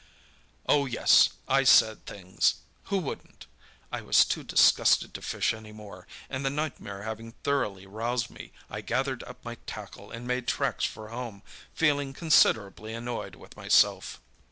"Oh, yes, I said things—who wouldn't? I was too disgusted to fish any more, and the nightmare having thoroughly roused me, I gathered up my tackle and made tracks for home, feeling considerably annoyed with myself.